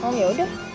om ya udah